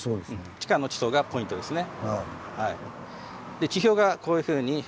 地下の地層がポイントですね。